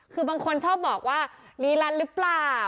คือบางคนชอบบอกว่าลีลันหรือเปล่า